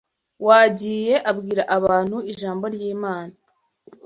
wagiye abwira abantu ijambo ry’Imana